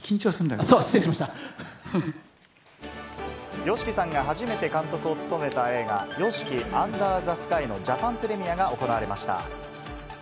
ＹＯＳＨＩＫＩさんが初めて監督を務めた映画『ＹＯＳＨＩＫＩ：ＵＮＤＥＲＴＨＥＳＫＹ』のジャパンプレミアが行われました。